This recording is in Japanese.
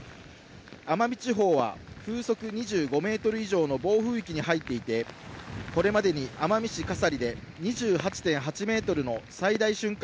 奄美地方は風速２５メートル以上の暴風域に入っていて、これまでに奄美市笠利で、２８．８メートルの最大瞬間